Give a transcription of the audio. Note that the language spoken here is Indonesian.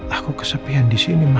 aku kesepian disini ma